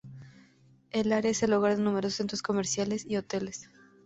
El área es el hogar de numerosos centros comerciales y hoteles.